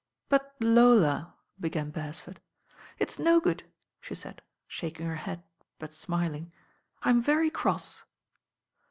"But, Lola," began Beresford. "It's no good," she said, shaking her head but smiling. "I'm very cross."